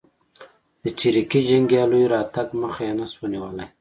د چریکي جنګیالیو راتګ مخه یې نه شوه نیولای.